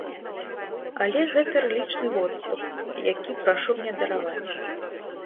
Але гэта лірычны водступ, які прашу мне дараваць.